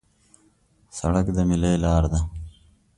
سړک د میلې لار ده.